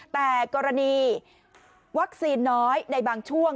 แต่กรณีวัคซีนน้อยในบางช่วง